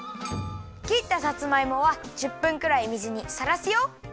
きったさつまいもは１０分くらい水にさらすよ！